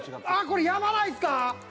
あっこれやばないっすか？